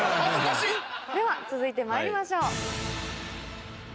では続いてまいりましょう。